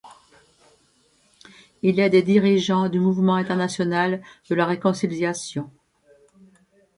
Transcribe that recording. Il est des dirigeants du Mouvement international de la Réconciliation.